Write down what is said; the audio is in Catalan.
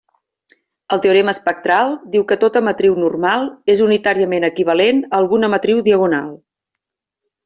El teorema espectral diu que tota matriu normal és unitàriament equivalent a alguna matriu diagonal.